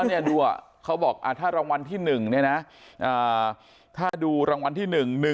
อ้อนี่ดูอ่ะเขาบอกถ้ารางวัลที่๑นี่นะถ้าดูรางวัลที่๑๑๐๙๗๖๗